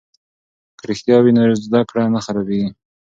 که رښتیا وي نو زده کړه نه خرابیږي.